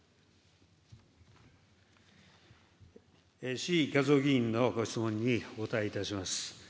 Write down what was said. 志位和夫議員のご質問にお答えいたします。